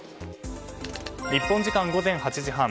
日本時間午前８時半。